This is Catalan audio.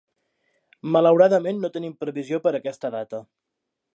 Malauradament, no tenim previsió per aquesta data.